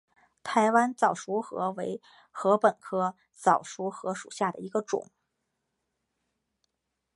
台湾早熟禾为禾本科早熟禾属下的一个种。